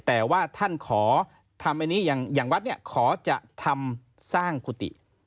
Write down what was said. แต่ว่าท่านขอทำอันนี้อย่างวัดเนี่ยขอจะทำสร้างกุฏิ